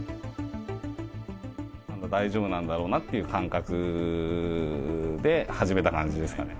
大丈夫なんだろうなっていう感覚で始めた感じですかね。